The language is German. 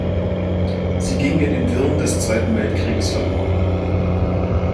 Sie ging in den Wirren des Zweiten Weltkrieges verloren.